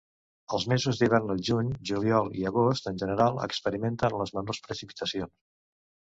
Els mesos d'hivern al juny, juliol i agost en general experimenten les menors precipitacions.